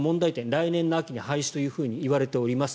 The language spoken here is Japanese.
来年の秋に廃止といわれております